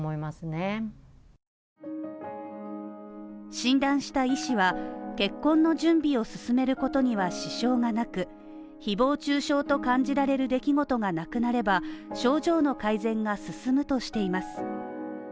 診断した医師は結婚の準備を進めることには支障がなく、誹謗中傷と感じられる出来事がなくなれば症状の改善が進むとしています。